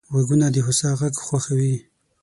غوږونه د هوسا غږ خوښوي